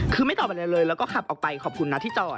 คือไม่ตอบอะไรเลยแล้วก็ขับออกไปขอบคุณนะที่จอด